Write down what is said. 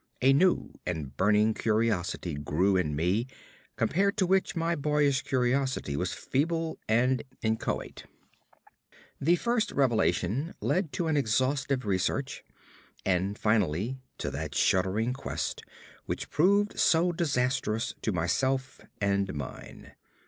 A new and burning curiosity grew in me, compared to which my boyish curiosity was feeble and inchoate. The first revelation led to an exhaustive research, and finally to that shuddering quest which proved so disastrous to myself and mine.